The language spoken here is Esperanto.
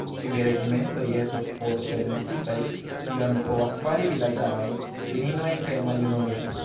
Ĉiuj regimentoj estas forpermesitaj, kion povas fari vilaĝanoj, virinoj kaj maljunuloj?